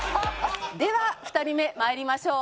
では２人目まいりましょう。